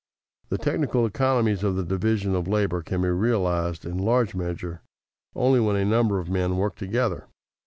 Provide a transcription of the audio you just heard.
_ The technical economies of the division of labor can be realized in large measure only when a number of men work together.